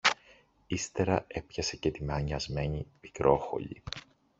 Ύστερα έπιασε και τη μανιασμένη Πικρόχολη